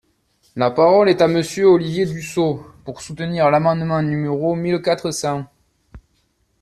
La parole est à Monsieur Olivier Dussopt, pour soutenir l’amendement numéro mille quatre cents.